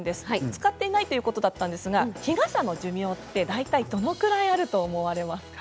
使っていないということでしたが日傘の寿命って大体どれくらいあると思われますか。